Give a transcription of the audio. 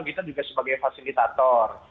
kita juga sebagai fasilitator